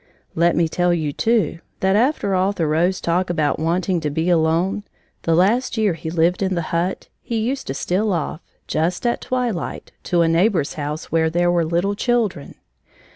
Let me tell you, too, that after all Thoreau's talk about wanting to be alone, the last year he lived in the hut, he used to steal off, just at twilight, to a neighbor's house where there were little children.